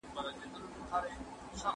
د مور ذهني ارامتيا کور ته ګټه رسوي.